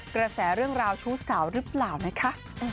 กระแสเรื่องราวชู้สาวหรือเปล่านะคะ